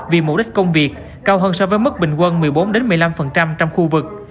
vì mục đích công việc cao hơn so với mức bình quân một mươi bốn một mươi năm trong khu vực